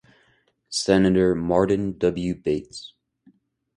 Senator Martin W. Bates.